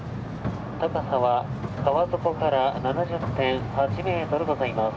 高さは川底から７０．８ｍございます」。